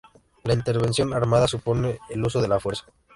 La intervención armada supone el uso de la fuerza.